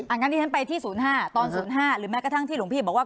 งั้นที่ฉันไปที่๐๕ตอน๐๕หรือแม้กระทั่งที่หลวงพี่บอกว่า